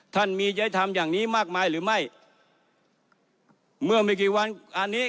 ท่านมียธรรมอย่างนี้มากมายหรือไม่เมื่อไม่กี่วันอันนี้